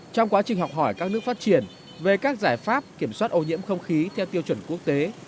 trong quá trình học hỏi các nước phát triển về các giải pháp kiểm soát ô nhiễm không khí theo tiêu chuẩn quốc tế